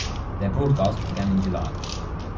Their broadcast began in July.